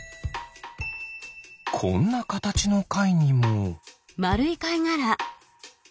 こんなかたちのカイにも。